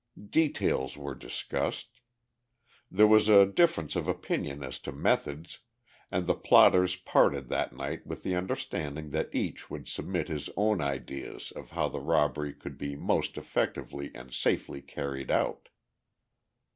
Details were discussed. There was a difference of opinion as to methods, and the plotters parted that night with the understanding that each would submit his own ideas of how the robbery could be most effectively and safely carried out.